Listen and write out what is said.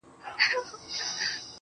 ځمه و لو صحراته~